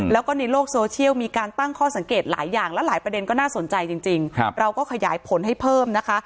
แล้วก็ในโลกโซเชียลมีการตั้งข้อสังเกตหลายอย่างและหลายประเด็นก็น่าสนใจจริงเราก็ขยายผลให้เพิ่มนะคะ